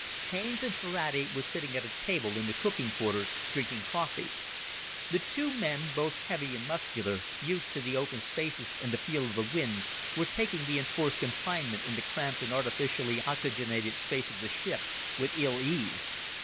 Haines and Ferrati were sitting at a table in the cooking quarters, drinking coffee. The two men, both heavy and muscular, used to the open spaces and the feel of the winds, were taking the enforced confinement in the cramped and artificially oxygenated space of the ship with ill ease.